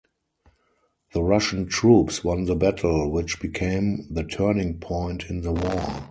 The Russian troops won the battle, which became the turning point in the war.